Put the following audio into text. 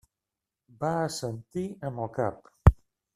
Va assentir amb el cap.